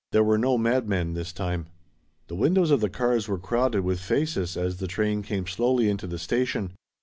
There were no madmen this time. The windows of the cars were crowded with faces as the train came slowly into the station.